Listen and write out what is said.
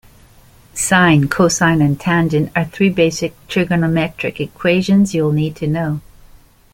Sine, cosine and tangent are three basic trigonometric equations you'll need to know.